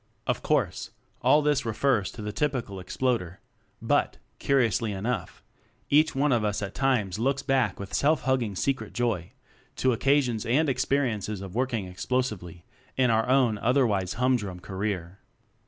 Of course, all this refers to the typ ical Exploder; but, curiously enough, each one of us at times looks back with self hugging secret joy to occa sions and experiences of working ex plosively in our own otherwise hum drum career.